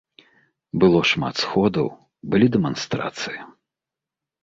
Было шмат сходаў, былі дэманстрацыі.